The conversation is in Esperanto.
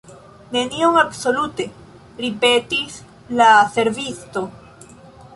"Nenion absolute!" ripetis la servisto.